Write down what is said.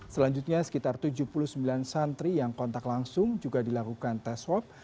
selanjutnya sekitar tujuh puluh sembilan santri yang kontak langsung juga dilakukan tes swab